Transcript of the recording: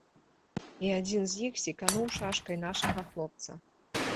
І адзін з іх секануў шашкай нашага хлопца.